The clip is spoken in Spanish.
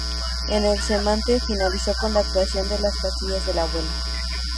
El certamen finalizó con la actuación de Las Pastillas del Abuelo.